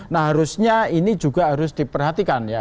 nah harusnya ini juga harus diperhatikan ya